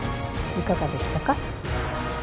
いかがでしたか？